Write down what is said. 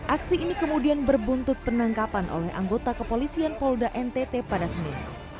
aksi ini kemudian berbuntut penangkapan oleh anggota kepolisian polda ntt pada senin